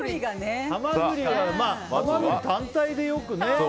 ハマグリは単体でよくね。